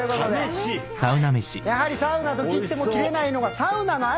やはりサウナと切っても切れないのが。